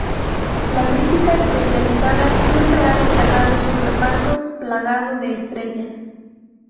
La crítica especializada siempre ha destacado su reparto plagado de estrellas.